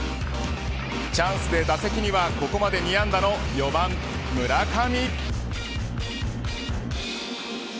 チャンスで打席にはここまで２安打の４番、村上。